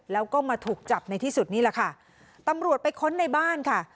แล้วก็มาถูกจับในที่สุดนี่แหละค่ะตำรวจไปค้นในบ้านค่ะ